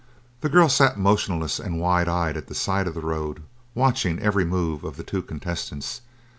The girl sat motionless and wide eyed at the side of the road watching every move of the two contestants.